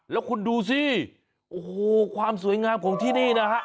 แล้วคุณดูสิโอ้โหความสวยงามของที่นี่นะฮะ